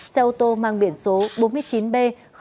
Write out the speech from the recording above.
xe ô tô mang biển số bốn mươi chín b một nghìn bảy trăm hai mươi bảy